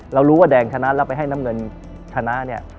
เรารู้ว่าแดงชนะแล้วไปให้น้ำเงินชนะเนี่ย